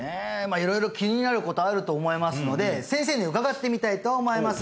色々気になることあると思いますので先生に伺ってみたいと思います